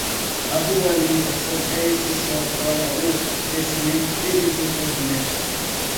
A boa alimentação é essencial para o crescimento e desenvolvimento.